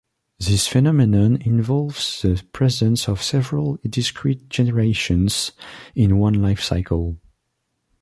This phenomenon involves the presence of several discrete generations in one life-cycle.